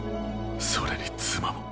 それに妻も。